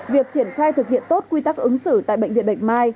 việc triển khai thực hiện tốt quy tắc ứng xử tại bệnh viện bạch mai